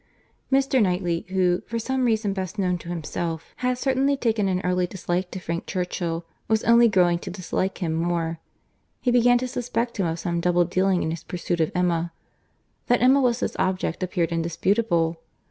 Mr. Knightley, who, for some reason best known to himself, had certainly taken an early dislike to Frank Churchill, was only growing to dislike him more. He began to suspect him of some double dealing in his pursuit of Emma. That Emma was his object appeared indisputable.